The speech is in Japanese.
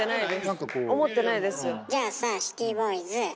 じゃあさシティボーイズ。